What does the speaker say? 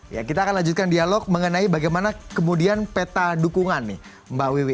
ya kita akan lanjutkan dialog mengenai bagaimana kemudian peta dukungan nih mbak wiwi